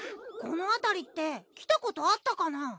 このあたりって来たことあったかな？